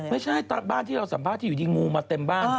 ไม่ใช่บ้านที่เราสัมภาษณ์ที่อยู่ดีงูมาเต็มบ้าน